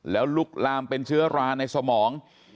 แล้วลุกลามเป็นเชื้อราในสมอง